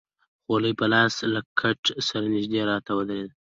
خولۍ په لاس له کټ سره نژدې راته ودرېد.